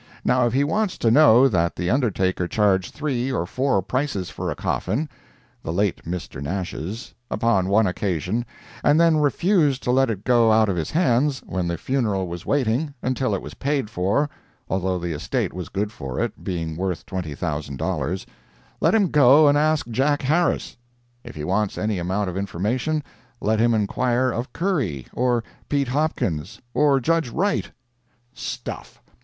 Now if he wants to know that the undertaker charged three or four prices for a coffin (the late Mr. Nash's) upon one occasion, and then refused to let it go out of his hands, when the funeral was waiting, until it was paid for, although the estate was good for it, being worth $20,000—let him go and ask Jack Harris. If he wants any amount of information, let him inquire of Curry, or Pete Hopkins, or Judge Wright. Stuff!